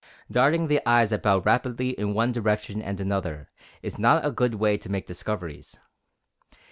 Darting the eyes about rapidly in one direction and another, is not a good way to make discoveries.